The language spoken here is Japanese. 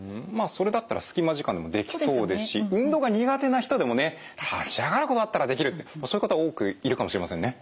それだったら隙間時間でもできそうですし運動が苦手な人でもね立ち上がることだったらできるってそういう方多くいるかもしれませんね。